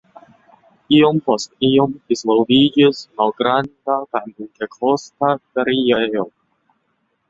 Iom post iom disvolviĝis malgranda kaj multekosta feriejo.